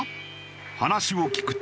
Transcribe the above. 話を聞くと。